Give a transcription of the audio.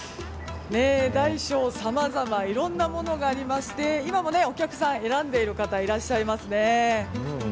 大小さまざまいろいろなものがありまして今もお客さん、選んでいる方いらっしゃいますね。